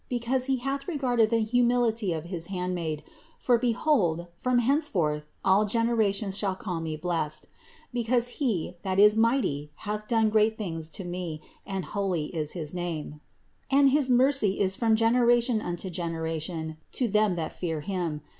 48. Because He hath regarded the humility of his handmaid ; for behold from henceforth all genera tions shall call me blessed. 49. Because He that is mighty hath done great things to me; and holy is his name. THE INCARNATION 179 50. And his mercy is from generation unto gen eration to them that fear Him.